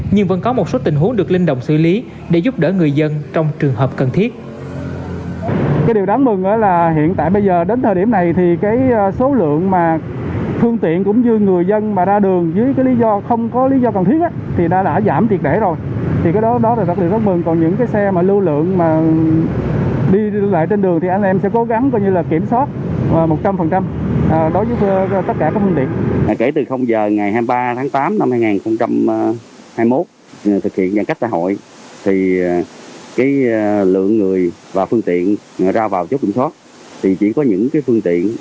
nhưng vẫn có một số tình huống được linh động xử lý để giúp đỡ người dân trong trường hợp cần thiết